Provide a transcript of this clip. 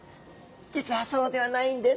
実はそうではないんです。